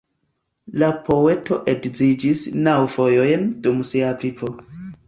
La poeto edziĝis naŭ fojojn dum sia vivo.